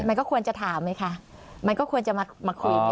มันก็ควรจะถามไหมคะมันก็ควรจะมาคุยกัน